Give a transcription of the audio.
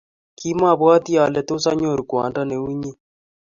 kima obwoti ale tos anyoru kwondo neu inye